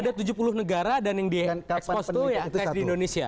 ada tujuh puluh negara dan yang di ekspos itu ya kelas di indonesia